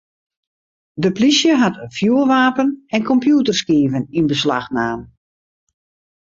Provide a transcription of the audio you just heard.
De plysje hat in fjoerwapen en kompjûterskiven yn beslach naam.